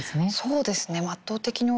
そうですね。